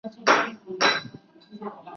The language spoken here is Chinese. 阿马加龙的化石是一个相当完整的骨骼。